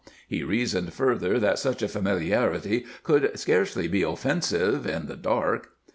He reasoned further that such a familiarity could scarcely be offensive in the dark.